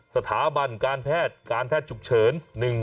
สถาบันการแพทย์การแพทย์ฉุกเฉิน